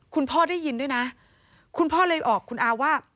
คุณพ่อได้ยินด้วยนะคุณพ่อเลยบอกคุณอาว่า